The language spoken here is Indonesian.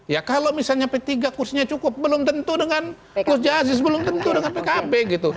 ya kalau misalnya p tiga kursinya cukup belum tentu dengan coach just belum tentu dengan pkb gitu